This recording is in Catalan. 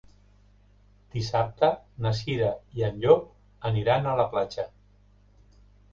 Dissabte na Cira i en Llop aniran a la platja.